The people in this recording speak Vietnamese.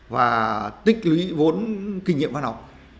và tích lũy vốn kinh nghiệm văn học